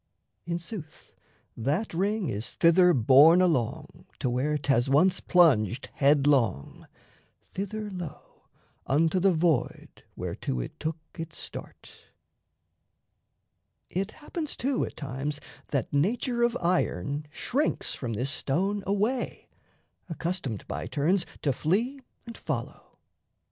In sooth, that ring is thither borne along To where 'thas once plunged headlong thither, lo, Unto the void whereto it took its start. It happens, too, at times that nature of iron Shrinks from this stone away, accustomed By turns to flee and follow.